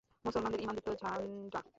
মুসলমানদের ঈমানদীপ্ত ঝাণ্ডা।